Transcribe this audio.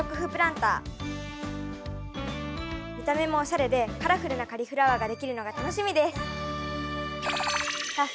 見た目もおしゃれでカラフルなカリフラワーができるのが楽しみです。